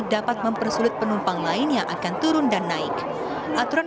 jangan berdiri di kawasan hijau ini